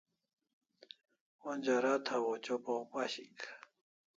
Onja rat hawaw chopa o pashik